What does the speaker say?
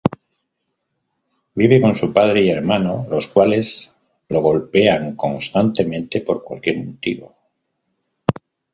Vive con su padre y hermano, los cuales lo golpean constantemente por cualquier motivo.